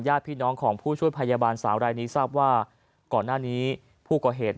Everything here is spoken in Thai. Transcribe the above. ญาติพี่น้องของผู้ช่วยพยาบาลสาวรายนี้ทราบว่าก่อนหน้านี้ผู้ก่อเหตุ